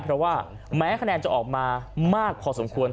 เพราะว่าแม้คะแนนจะออกมามากพอสมควร